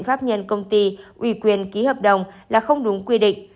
pháp nhân công ty ủy quyền ký hợp đồng là không đúng quy định